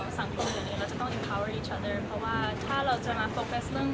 คุณก็เห็นแล้วก็รับปูแล้วแค่คำสั่ง